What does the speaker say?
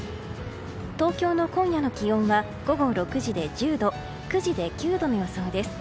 東京の今夜の気温は午後６時で１０度９時で９度の予想です。